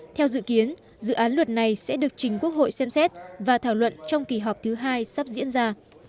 theo dự kiến dự án luật này sẽ được trình quốc hội xem xét và thảo luận trong kỳ họp thứ hai sắp diễn ra